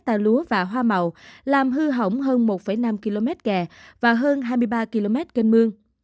tà lúa và hoa màu làm hư hỏng hơn một năm km kè và hơn hai mươi ba km kênh mương